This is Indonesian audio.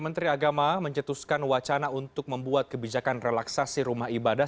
menteri agama mencetuskan wacana untuk membuat kebijakan relaksasi rumah ibadah